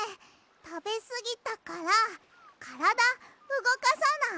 たべすぎたからからだうごかさない？